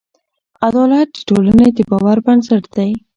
عدالت د ټولنې د باور بنسټ دی.